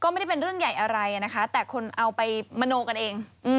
ไม่ได้เป็นเรื่องใหญ่อะไรนะคะแต่คนเอาไปมโนกันเอง